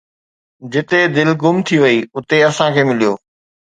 جتي دل گم ٿي وئي، اتي اسان کي مليو